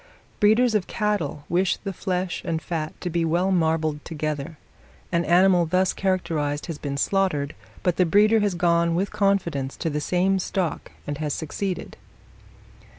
Breeders of cattle wish the flesh and fat to be well marbled together. An animal thus characterized has been slaughtered, but the breeder has gone with confidence to the same stock and has succeeded.